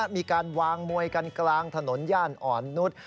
มีการวางมวยกันกลางถนนย่านอ่อนนุษย์